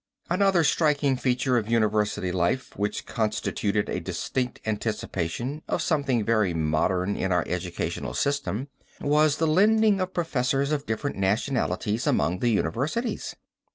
Another striking feature of university life which constituted a distinct anticipation of something very modern in our educational system, was the lending of professors of different nationalities among the universities.